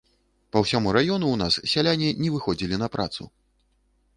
Па ўсяму раёну ў нас сяляне не выходзілі на працу.